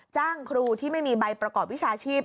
จ้างครูที่ไม่มีใบประกอบวิชาชีพ